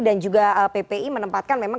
dan juga ppi menempatkan memang